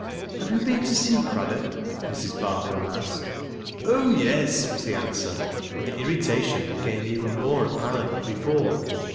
" Have you been to see Craddock ?" Mrs. Barholm asked. " Oh I yes," was the answer, and the irritation became even more apparent than before.